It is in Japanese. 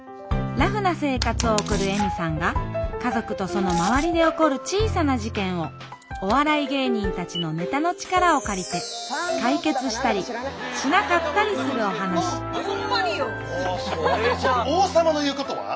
ラフな生活を送る恵美さんが家族とその周りで起こる小さな事件をお笑い芸人たちのネタの力を借りて解決したりしなかったりするお話王様の言うことは。